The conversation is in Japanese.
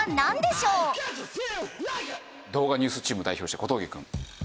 動画ニュースチーム代表者小峠くん。